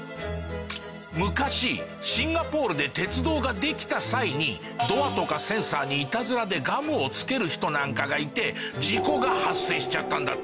昔シンガポールで鉄道ができた際にドアとかセンサーにイタズラでガムを付ける人なんかがいて事故が発生しちゃったんだって。